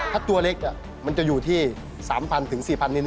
ถ้าตัวเล็กมันจะอยู่ที่๓๐๐๔๐๐ลิตร